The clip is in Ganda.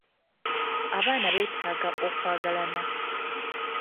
Abaana beetaaga okwagalana.